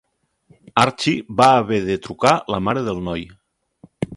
Archi va haver de trucar la mare del noi.